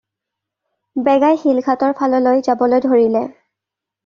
বেগাই শিলঘাটৰ ফাললৈ যাবলৈ ধৰিলে।